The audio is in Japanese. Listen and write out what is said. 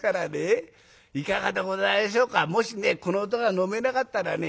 いかがでございましょうかもしねこの男が飲めなかったらね